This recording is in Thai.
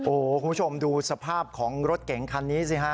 โอ้โหคุณผู้ชมดูสภาพของรถเก๋งคันนี้สิฮะ